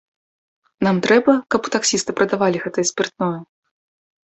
Нам трэба, каб таксісты прадавалі гэтае спіртное?